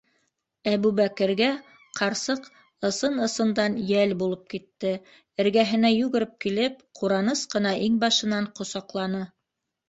Әбүбәкергә ҡарсыҡ ысын-ысындан йәл булып китте, эргәһенә йүгереп килеп, ҡураныс ҡына иңбашынан ҡосаҡланы: